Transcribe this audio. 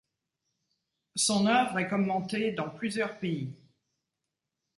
Son œuvre est commentée dans plusieurs pays.